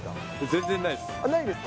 全然ないです。